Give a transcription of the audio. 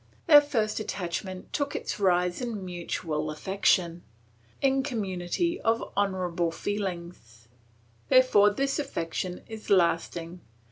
Their first attachment took its rise in mutual affection, in community of honourable feelings; therefore this affection is lasting.